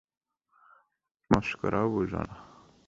মশকরাও বোঝে না।